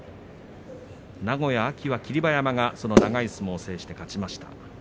名古屋と秋は霧馬山が長い相撲を制して勝ちました。